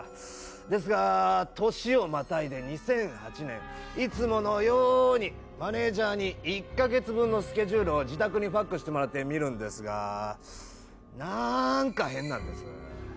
ですが、年をまたいで２００８年、いつものようにマネージャーに１カ月分のスケジュールを自宅にＦＡＸで送ってもらうんですが、なーんか、変なんです。